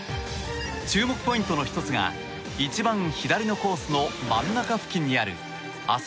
注目ポイントの１つが一番左のコースの真ん中付近にある旭